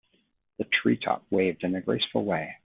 The tree top waved in a graceful way.